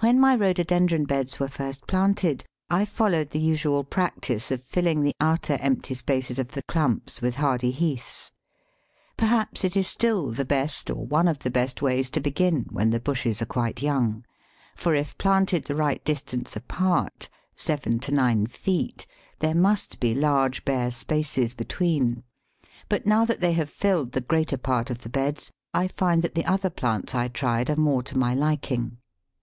When my Rhododendron beds were first planted, I followed the usual practice of filling the outer empty spaces of the clumps with hardy Heaths. Perhaps it is still the best or one of the best ways to begin when the bushes are quite young; for if planted the right distance apart seven to nine feet there must be large bare spaces between; but now that they have filled the greater part of the beds, I find that the other plants I tried are more to my liking.